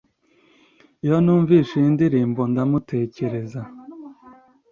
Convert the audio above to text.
Iyo numvise iyi ndirimbo, ndamutekereza